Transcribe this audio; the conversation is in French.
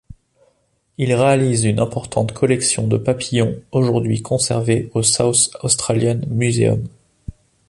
Il réalise une importante collection de papillons, aujourd’hui conservée au South Australian Museum.